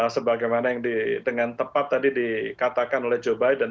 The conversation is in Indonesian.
sebagaimana yang dengan tepat tadi dikatakan oleh joe biden